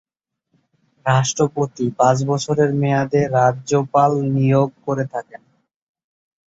রাষ্ট্রপতি পাঁচ বছরের মেয়াদে রাজ্যপাল নিয়োগ করে থাকেন।